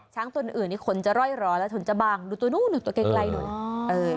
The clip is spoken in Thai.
ช้างตัวอื่นนี้ขนจะร่อยร้อนแล้วขนจะบางดูตัวนู้นตัวเกร็กไกลหน่อย